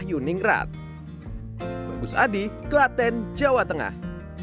kue batik yang terbentuk berbentuk berbentuk berbentuk berbentuk